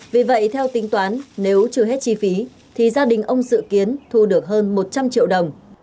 vì vậy theo tính toán nếu chưa hết chi phí thì gia đình ông dự kiến thu được hơn một trăm linh triệu đồng